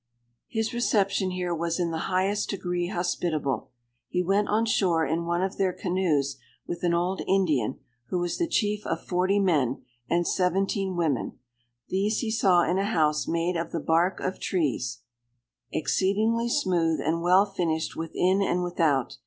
His reception here was in the highest degree hospitable. "He went on shore in one of their canoes, with an old Indian, who was the chief of forty men, and seventeen women; these he saw in a house made of the bark of trees, exceedingly smooth and well finished within and without.